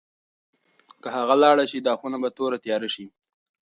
که هغه لاړه شي، دا خونه به توره تیاره شي.